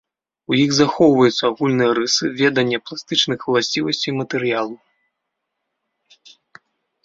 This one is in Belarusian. У іх захоўваюцца агульныя рысы, веданне пластычных уласцівасцей матэрыялу.